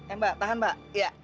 eh mbak tahan mbak